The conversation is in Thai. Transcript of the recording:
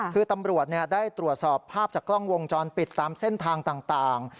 คือตำรวจได้ตรวจสอบภาพจากกล้องวงจรปิดตามเส้นทางต่าง